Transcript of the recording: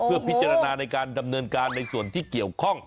เพื่อพิจารณาในการดำเนินการในส่วนที่เกี่ยวข้อง